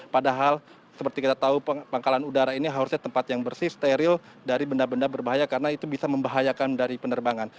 padahal seperti kita tahu pangkalan udara ini harusnya tempat yang bersih steril dari benda benda berbahaya karena itu bisa membahayakan dari penerbangan